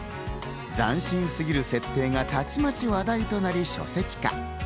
斬新すぎる設定がたちまち話題となり、書籍化。